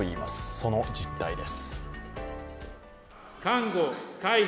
その実態です。